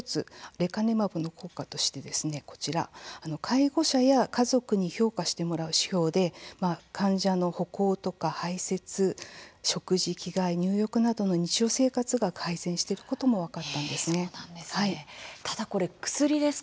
レカネマブの効果として介護者や家族に評価してもらう指標で患者の歩行とか排せつ、食事着替え、入浴などの日常生活が改善していることも分かったんです。